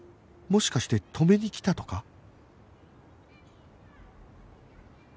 もしかして止めに来たとか？